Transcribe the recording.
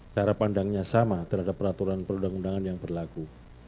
cara pandangnya sama terhadap peraturan perundang undangan yang berlaku